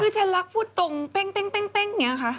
คือฉันรักพูดตรงเป้งอย่างนี้ค่ะ